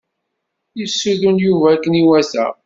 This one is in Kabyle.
Yessudun Yuba akken iwata.